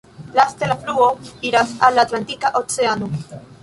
Laste la fluo iras al la Atlantika Oceano.